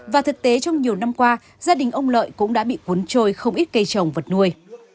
và thực tế trong nhiều năm qua gia đình ông lợi cũng đã bị cuốn trôi không ít cây trồng vật nuôi